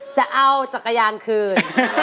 จะเอาจักรยานคืน